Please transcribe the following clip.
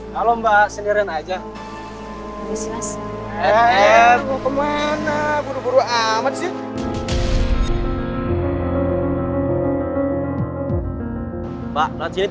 halo mbak sendirian aja